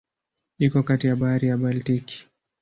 Iko kati ya Bahari ya Baltiki.